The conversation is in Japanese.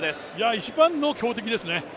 一番の強敵ですね。